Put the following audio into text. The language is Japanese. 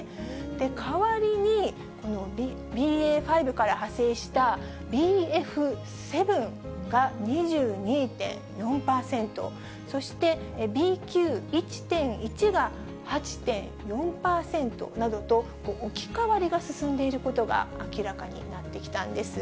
代わりにＢＡ．５から派生したＢＦ．７が２２．４％、そしてＢＱ．１．１が８．４％などと、置き換わりが進んでいることが明らかになってきたんです。